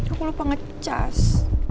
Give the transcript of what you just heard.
aku lupa ngecas